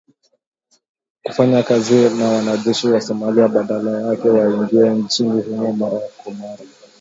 Kufanya kazi na wanajeshi wa Somalia badala yake waingie nchini humo mara kwa mara